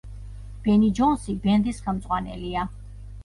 ბენი ჯონსი ბენდის ხელმძღვანელია.